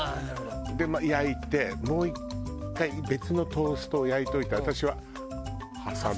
で焼いてもう一回別のトーストを焼いておいて私は挟む。